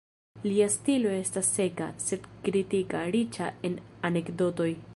Lia stilo estas seka, sed kritika, riĉa en anekdotoj.